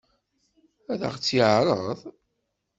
Ad ɣ-tt-yeɛṛeḍ?